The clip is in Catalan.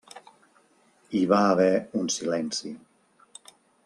Hi va haver un silenci.